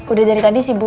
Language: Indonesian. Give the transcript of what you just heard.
udah dari tadi sih bu